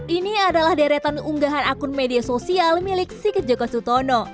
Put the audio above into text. ini adalah deretan unggahan akun media sosial milik sigit jokastutono